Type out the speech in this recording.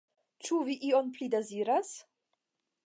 Ĉu vi ion pli deziras?